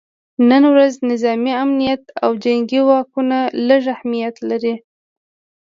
نن ورځ نظامي امنیت او جنګي واکونه لږ اهمیت لري